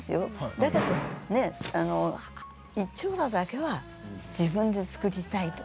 だけど一張羅だけは自分で作りたいと。